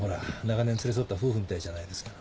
長年連れ添った夫婦みたいじゃないですか。